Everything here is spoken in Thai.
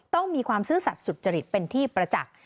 ต้องมีความซื่อสัตว์สุจริตเป็นที่ประจักษ์